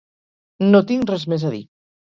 No tinc res més a dir.